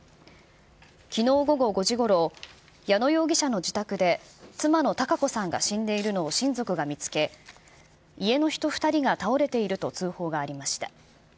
きのう午後５時ごろ、矢野容疑者の自宅で妻の堯子さんが死んでいるのを、親族が見つけ、家の人２人が倒れていると通報がありました。